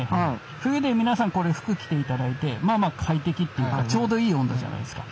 冬で皆さんこの服着て頂いてまあまあ快適っていうかちょうどいい温度じゃないですか。